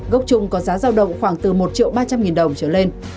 gốc trùng có giá giao động khoảng từ một ba trăm linh đồng trở lên